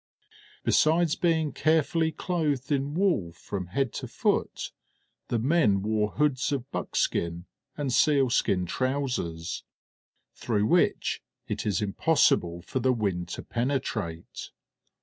Besides being carefully clothed in wool from head to foot, the men wore hoods of buckskin and sealskin trousers, through which it is impossible for the wind to penetrate.